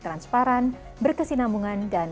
transparan berkesinambungan dan